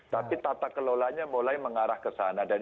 tapi tata kelolanya mulai mengarah ke sana